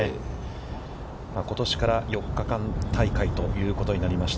ことしから４日間大会ということになりました。